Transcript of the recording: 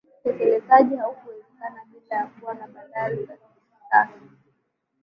Utekelezaji hautawezekana bila ya kuwa na bandari za kisasa